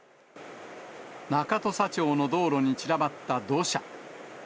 中土佐町の道路に散らばった土砂。